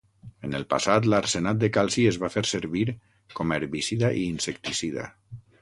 En el passat l'arsenat de calci es va fer servir com a herbicida i insecticida.